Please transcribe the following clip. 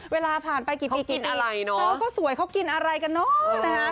เวลาผ่านไปกี่ปีกี่ปีเขาก็สวยเขากินอะไรกันเนอะ